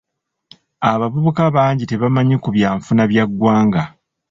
Abavubuka bangi tebamanyi ku byanfuna bya ggwanga.